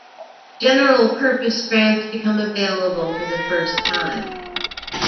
General purpose grants become available for the first time.